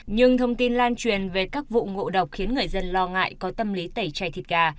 nhưng thông tin lan truyền về các vụ ngộ độc khiến người dân lo ngại có tâm lý tẩy chay thịt gà